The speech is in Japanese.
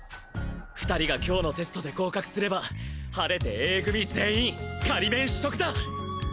２人が今日のテストで合格すれば晴れてＡ組全員仮免取得だ！